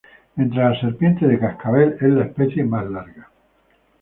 Entre las serpientes de cascabel es la especie más larga.